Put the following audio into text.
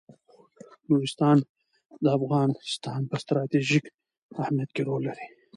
نورستان د افغانستان په ستراتیژیک اهمیت کې رول لري.